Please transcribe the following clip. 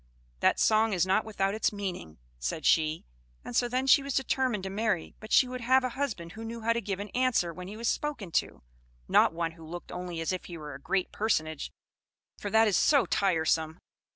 'That song is not without its meaning,' said she, and so then she was determined to marry; but she would have a husband who knew how to give an answer when he was spoken to not one who looked only as if he were a great personage, for that is so tiresome.